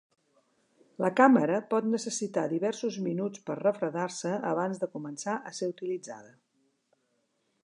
La càmera pot necessitar diversos minuts per refredar-se abans de començar a ser utilitzada.